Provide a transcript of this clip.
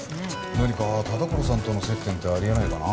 何か田所さんとの接点ってあり得ないかな